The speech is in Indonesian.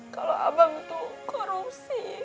kalau abang itu korupsi